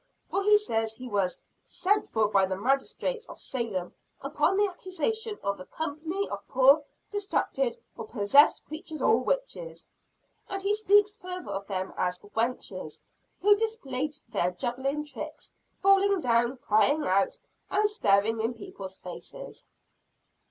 For he says he was "sent for by the Magistrates of Salem, upon the accusation of a company of poor distracted or possessed creatures or witches." And he speaks further of them as "wenches who played their juggling tricks, falling down, crying out, and staring in people's faces."